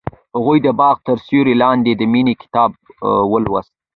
هغې د باغ تر سیوري لاندې د مینې کتاب ولوست.